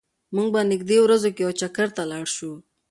موږ به په نږدې ورځو کې یو چکر ته لاړ شو.